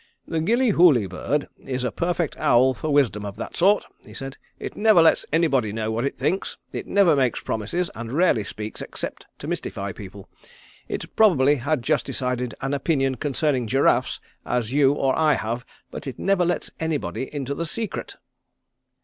"The Gillyhooly bird is a perfect owl for wisdom of that sort," he said. "It never lets anybody know what it thinks; it never makes promises, and rarely speaks except to mystify people. It probably has just as decided an opinion concerning giraffes as you or I have, but it never lets anybody into the secret."